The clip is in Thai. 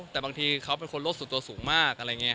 แต่บางทีเขาเป็นคนรถสุดตัวสูงมาก